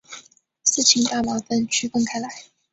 四氢大麻酚区分开来。